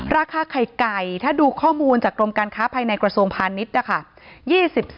ราคาไข่ไก่ถ้าดูข้อมูลจากกรมการค้าภายในกระทรวงพาณิชย์นะคะ